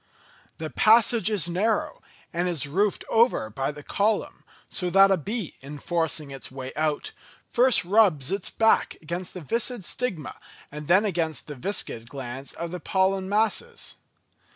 The passage is narrow, and is roofed over by the column, so that a bee, in forcing its way out, first rubs its back against the viscid stigma and then against the viscid glands of the pollen masses.